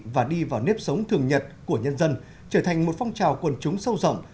và đi vào nếp sống thường nhật của nhân dân trở thành một phong trào quần chúng sâu rộng